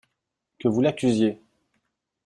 Que vous l'accusiez!